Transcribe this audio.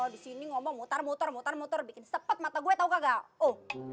disini ngomong mutar mutar mutar mutar bikin sepet mata gue tau kagak